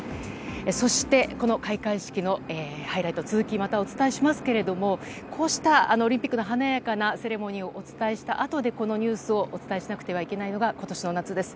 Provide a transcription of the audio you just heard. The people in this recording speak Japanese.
そして、この開会式のハイライト続きまたお伝えしますがこうしたオリンピックの華やかなセレモニーをお伝えしたあとでこのニュースをお伝えしなくてはならないのが今年の夏です。